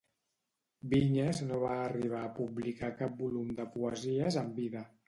Vinyes no va arribar a publicar cap volum de poesies en vida.